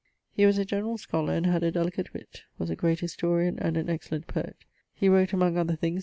He was a generall scolar, and had a delicate witt; was a great historian, and an excellent poet. He wrote, among other things